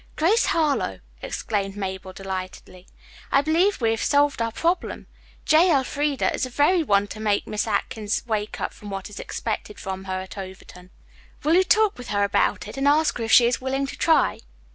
"Grace Harlowe!" exclaimed Mabel delightedly, "I believe we have solved our problem. J. Elfreda is the very one to make Miss Atkins wake up to what is expected from her at Overton. Will you talk with her about it, and ask her if she is willing to try?"